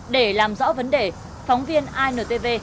để làm rõ vấn đề phóng viên intv